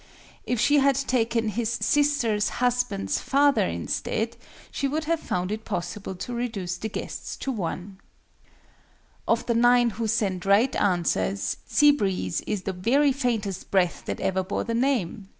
If she had taken his sister's husband's father instead, she would have found it possible to reduce the guests to one. Of the nine who send right answers, SEA BREEZE is the very faintest breath that ever bore the name!